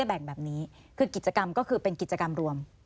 แบ่งแบบนี้คือกิจกรรมก็คือเป็นกิจกรรมรวม